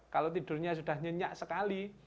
kalau tidurnya sudah nyenyak sekali